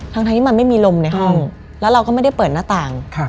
ทั้งที่มันไม่มีลมในห้องแล้วเราก็ไม่ได้เปิดหน้าต่าง